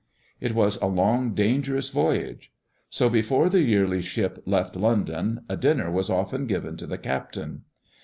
It was a long, dangerous voyage. So, before the yearly ship left London, a dinner was often given to the captain.